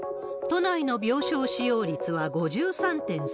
都内の病床使用率は５３．３％。